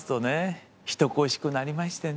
人恋しくなりましてね。